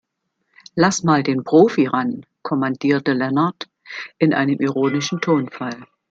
Lass mal den Profi ran, kommandierte Lennart in einem ironischen Tonfall.